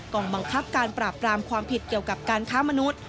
กองบังคับการปราบปรามความผิดเกี่ยวกับการค้ามนุษย์